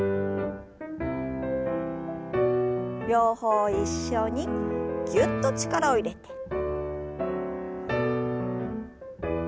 両方一緒にぎゅっと力を入れて。